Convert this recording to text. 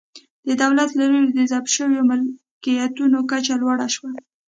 د دولت له لوري د ضبط شویو ملکیتونو کچه لوړه شوه.